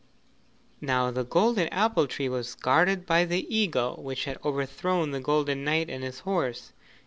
Now the golden apple tree was guarded by the eagle which had overthrown the golden knight and his horse.